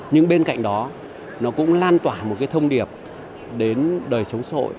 nhưng bên cạnh đó nó cũng lan tỏa một cái thông điệp đến đời sống sội